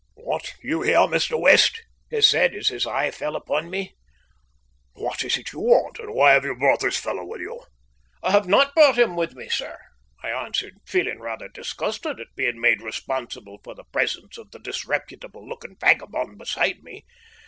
"What, you here, Mr. West?" he said, as his eye fell upon me. "What is it you want, and why have you brought this fellow with you?" "I have not brought him with me, sir," I answered, feeling rather disgusted at being made responsible for the presence of the disreputable looking vagabond beside me.